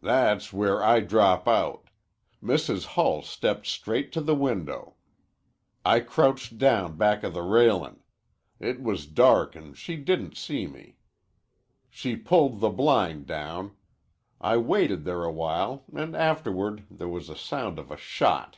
"That's where I drop out. Mrs. Hull stepped straight to the window. I crouched down back of the railin'. It was dark an' she didn't see me. She pulled the blind down. I waited there awhile an' afterward there was the sound of a shot.